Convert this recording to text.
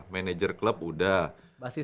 manager klub udah